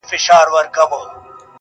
چي دا ستا معاش نو ولي نه ډيريږي،